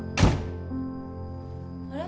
あれ？